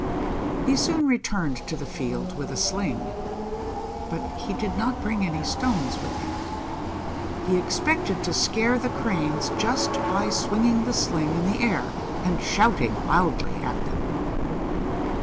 He soon returned to the field with a sling. But he did not bring any stones with him. He expected to scare the Cranes just by swinging the sling in the air, and shouting loudly at them.